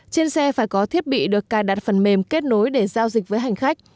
trên xe phải có thiết bị được cài đặt phần mềm kết nối để giao dịch với hành khách